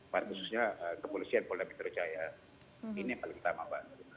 khususnya kepolisian polda metro jaya ini yang paling utama